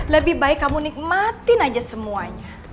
lebih baik kamu nikmatin aja semuanya